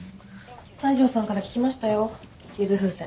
西條さんから聞きましたよ水風船。